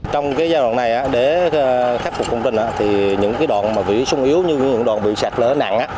trong giai đoạn này để khắc phục công trình những đoạn bị sung yếu như những đoạn bị sạt lỡ nặng